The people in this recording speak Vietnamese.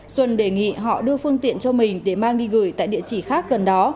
xuân đề nghị họ đưa phương tiện cho mình để mang đi gửi tại địa chỉ khác gần đó